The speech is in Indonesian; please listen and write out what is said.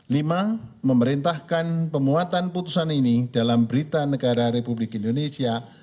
lima memerintahkan pemuatan putusan ini dalam berita negara republik indonesia